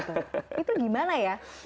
itu gimana ya